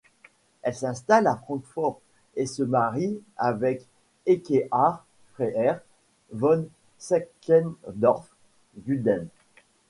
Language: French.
Elle s'installe à Francfort et se marié avec Ekkehard Freiherr von Seckendorff-Gudent.